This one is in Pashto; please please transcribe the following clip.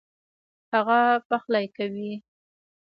هغه پخلی کوي